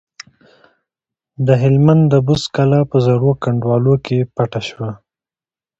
او د هلمند د بست کلا په زړو کنډوالو کې پټ شو.